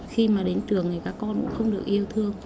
khi mà đến trường thì các con cũng không được yêu thương